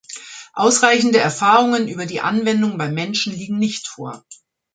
Ausreichende Erfahrungen über die Anwendung beim Menschen liegen nicht vor.